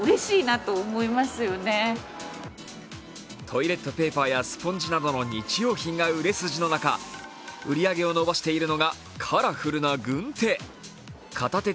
トイレットペーパーやスポンジなどの日用品が売れ筋の中売り上げを伸ばしているのがカラフルな軍手。